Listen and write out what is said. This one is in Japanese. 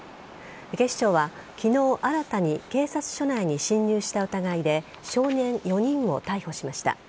警視庁は昨日、新たに警察署内に侵入した疑いで少年４人を逮捕しました。